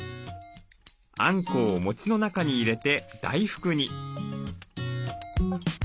あんこをもちの中に入れて大福に。